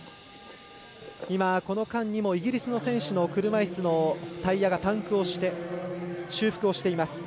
この間にもイギリスの選手の車いすのタイヤがパンクをして修復をしています。